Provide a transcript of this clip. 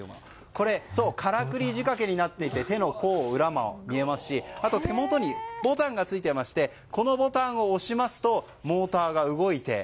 これは、からくり仕掛けになっていて手の甲、裏も見えますし手元にボタンがついていましてこのボタンを押しますとモーターが動いて。